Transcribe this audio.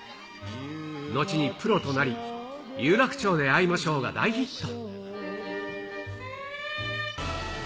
後にプロとなり、有楽町で逢いましょうが大ヒット。